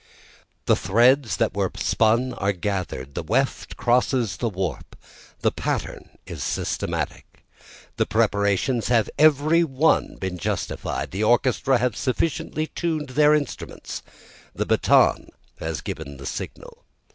The threads that were spun are gather'd, the wet crosses the warp, the pattern is systematic. The preparations have every one been justified, The orchestra have sufficiently tuned their instruments, the baton has given the signal.